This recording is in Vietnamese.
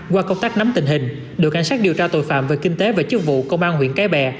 qua công tác nắm tình hình đội cảnh sát điều tra tội phạm về kinh tế và chức vụ công an huyện cái bè